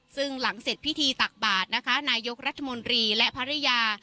ซึ่งหลังเสร็จพิธีตักบาทนะคะนายกรัฐมนตรีและภรรยา